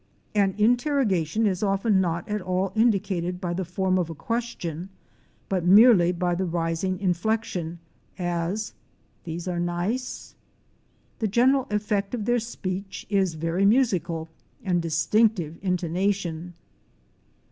An interrogation is often not at all indicated by the form of a question, but merely by the rising inflection, as — "These are nice?"' The general effect of their speech is a very musical and distinctive intona tion.